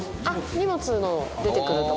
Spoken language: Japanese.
荷物の出てくる所